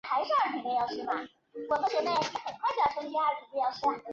海伦斯堡东岸。